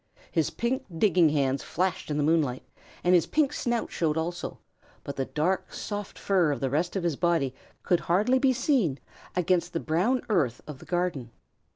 His pink digging hands flashed in the moonlight, and his pink snout showed also, but the dark, soft fur of the rest of his body could hardly be seen against the brown earth of the garden.